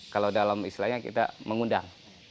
kalau dalam istilahnya kita mengundang